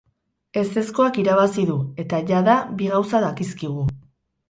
Ezezkoak irabazi du, eta jada bi gauza dakizkigu.